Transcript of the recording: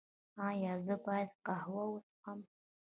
ایا زه باید قهوه وڅښم؟